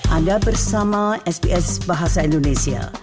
anda bersama sps bahasa indonesia